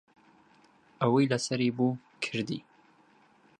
ئەوەی لەسەری بوو کردی.